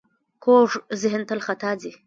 کوږ ذهن تل خطا ځي